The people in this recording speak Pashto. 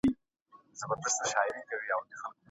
بدني سزا د ماشوم په روان بد اغیز کوي.